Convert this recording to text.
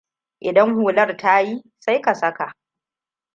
Idan hular ta yi, sai ka saka.